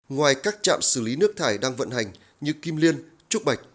ngoài các trạm xử lý nước thải đang vận hành như kim liên trúc bạch